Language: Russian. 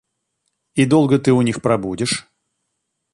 И долго ты у них пробудешь?